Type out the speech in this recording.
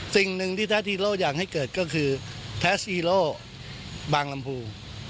สิ่งหนึ่งที่อยากให้เกิดก็คือบางลำภู